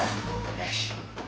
よし。